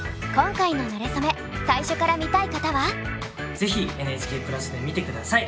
是非ＮＨＫプラスで見て下さい！